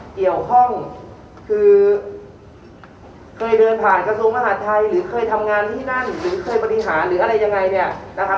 เกี่ยวข้องคือเคยเดินผ่านกระทรวงมหาดไทยหรือเคยทำงานที่นั่นหรือเคยบริหารหรืออะไรยังไงเนี่ยนะครับ